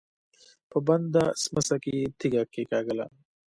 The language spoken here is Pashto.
په بنده سمڅه کې يې تيږه کېکاږله.